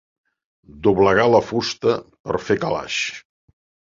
Doblegar la fusta per fer calaix.